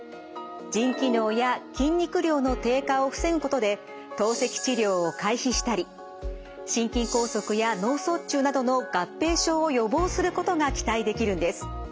腎機能や筋肉量の低下を防ぐことで透析治療を回避したり心筋梗塞や脳卒中などの合併症を予防することが期待できるんです。